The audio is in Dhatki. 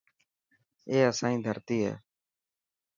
اي اسائي ڌرتي هي.